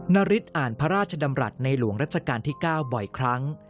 นาริสอ่านพระราชดำรัฐในหลวงรัชกาลที่๙บ่อยครั้ง